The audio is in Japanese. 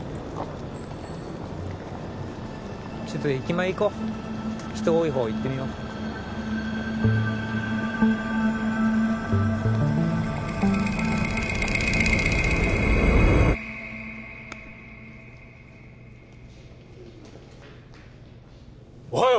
ちょっと駅前行こう人多い方行ってみようおはよう！